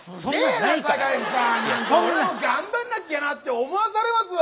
なんか俺も頑張んなきゃなって思わされますわ！